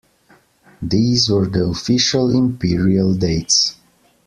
These were the official imperial dates.